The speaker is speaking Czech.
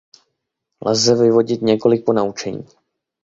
Lze vyvodit několik ponaučení.